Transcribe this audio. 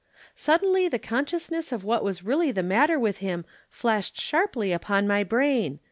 Suddenly the consciousness of what was really the matter with him flashed sharply upon my brain.